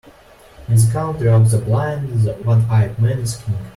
In the country of the blind, the one-eyed man is king.